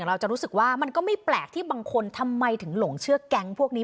เราจะรู้สึกว่ามันก็ไม่แปลกที่บางคนทำไมถึงหลงเชื่อแก๊งพวกนี้